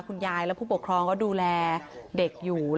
ยายและผู้ปกครองก็ดูแลเด็กอยู่